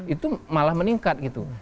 itu malah meningkat gitu